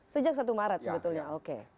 sejak satu maret sebetulnya oke